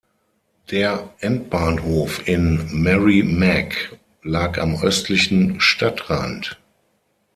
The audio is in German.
Der Endbahnhof in Merrimac lag am östlichen Stadtrand.